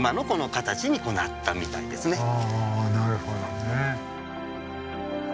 あなるほどね。